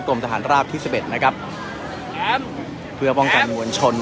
ทหารราบที่สิบเอ็ดนะครับเพื่อป้องกันมวลชน